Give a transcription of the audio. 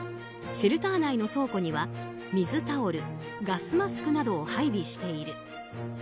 シェルター内の倉庫には水タオル、ガスマスクなどを配備している。